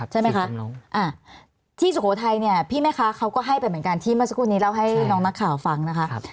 ใช่ไหมคะที่สุโขทัยเนี่ยพี่แม่ค้าเขาก็ให้ไปเหมือนกันที่เมื่อสักครู่นี้เล่าให้น้องนักข่าวฟังนะคะ